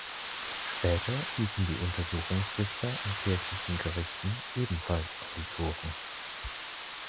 Später hießen die Untersuchungsrichter an kirchlichen Gerichten ebenfalls Auditoren.